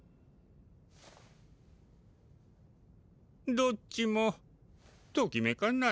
どっちもときめかないのじゃ。